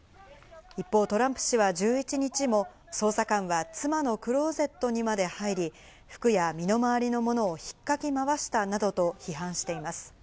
一方、トランプ氏は１１日も捜査官は妻のクローゼットにまで入り、服や身の回りのものを引っかきまわしたなどと批判しています。